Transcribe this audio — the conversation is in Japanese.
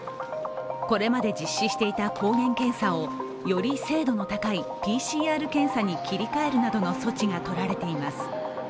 これまで実施していた抗原検査を、より精度の高いＰＣＲ検査に切り替えるなどの措置が取られています。